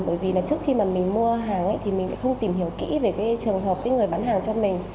bởi vì trước khi mình mua hàng thì mình không tìm hiểu kỹ về trường hợp người bán hàng cho mình